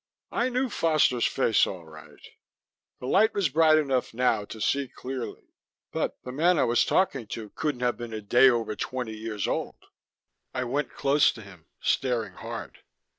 I knew Foster's face, all right; the light was bright enough now to see clearly; but the man I was talking to couldn't have been a day over twenty years old. I went close to him, staring hard.